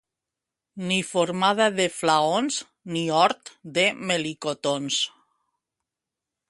Ni formada de flaons, ni hort de melicotons.